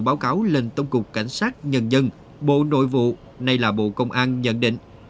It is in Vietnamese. báo cáo lên tổng cục cảnh sát nhân dân bộ nội vụ nay là bộ công an nhận định